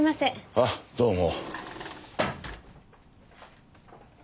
あどうも。